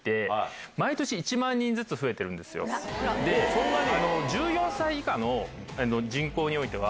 そんなに！